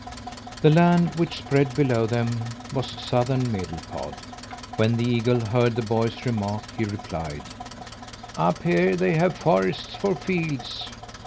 The land which spread below them was Southern Medelpad. When the eagle heard the boy's remark, he replied: "Up here they have forests for fields."